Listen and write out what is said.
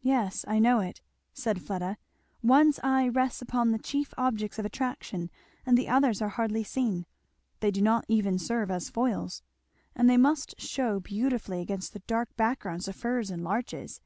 "Yes, I know it," said Fleda; "one's eye rests upon the chief objects of attraction and the others are hardly seen, they do not even serve as foils. And they must shew beautifully against that dark background of firs and larches!"